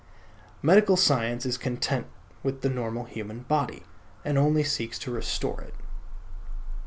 Medical science is content with the normal human body, and only seeks to restore it.